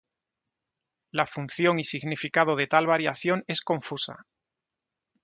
La función y significado de tal variación es confusa.